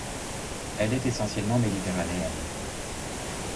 Elle est essentiellement méditerranéenne.